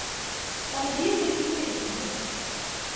Bana bir dakika izin verin.